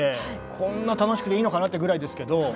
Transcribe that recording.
こんなに楽しくていいのかなというぐらいですけど。